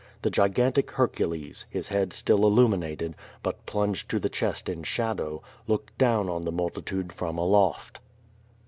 The gigantic Hercules, his head still illuminated, but plunged to the chest in shadow, looked down on the multi tude from aloft.